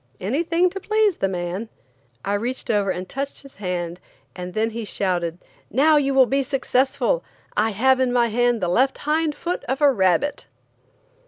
Anything to please the man. I reached over and touched his hand, and then he shouted: "Now you will be successful. I have in my hand the left hind foot of a rabbit!"